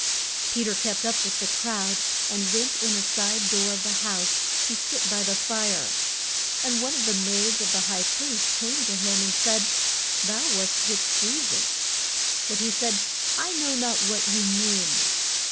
Pe ter kept up with the crowd and went in a side door of the house to sit by the fire. And one of the maids of the high priest came to him, and said, Thou wast with Je sus. But he said, I know not what you mean.